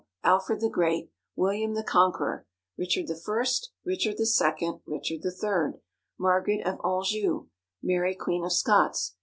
Alfred the Great. William the Conqueror. Richard I. Richard II. Richard III. Margaret of Anjou. Mary Queen of Scots.